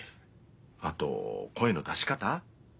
あと声の出し方？